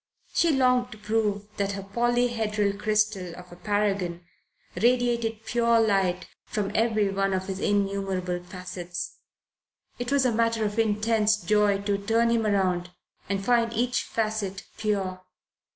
She longed to prove that her polyhedral crystal of a paragon radiated pure light from every one of his innumerable facets. It was a matter of intense joy to turn him round and find each facet pure.